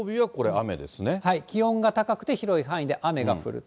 気温が高くて広い範囲で雨が降ると。